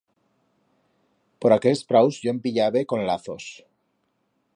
Por aquels praus yo en pillabe con lazos.